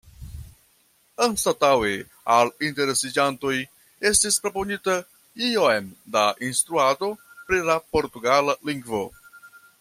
Anstataŭe al interesiĝantoj estis proponita iom da instruado pri la portugala lingvo.